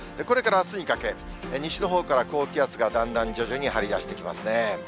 これからあすにかけ、西のほうから高気圧がだんだん徐々に張り出してきますね。